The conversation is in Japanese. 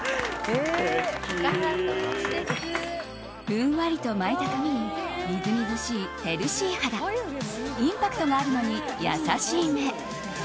ふんわりと巻いた髪にみずみずしいヘルシー肌インパクトがあるのに優しい目。